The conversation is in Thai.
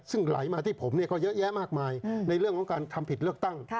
ซึ่งไหลมาที่ผมก็เยอะแยะมากมายในเรื่องของการทำผิดเลือกตั้ง